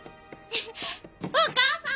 ・・お母さん！